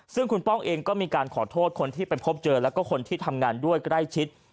ซึ่งคุณป้องเองก็มีการขอโทษคนที่ไปพบเจอแล้วก็คนที่ทำงานด้วยใกล้ชิด